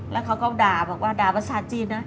แล้วเขาก็ด่าบอกว่าด่าภาษาจีนนะ